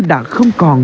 đã không còn